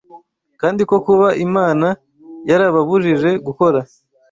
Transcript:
kandi ko kuba Imana yarababujije gukora